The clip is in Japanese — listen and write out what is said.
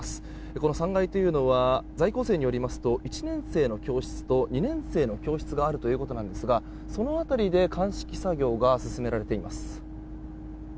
この３階というのは在校生によりますと１年生の教室と２年生の教室があるということなんですがその辺りで鑑識作業が進められています。